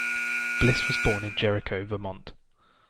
Bliss was born in Jericho, Vermont.